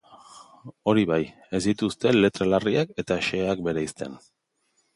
Hori bai, ez dituzte letra larriak eta xeheak bereizten.